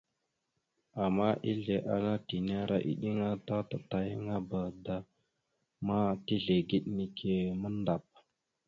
Ama ezle ana tinera iɗəŋa ta tatayaŋaba da ma tizlegeɗ nike mandap.